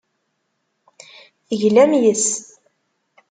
Teglam yes-s.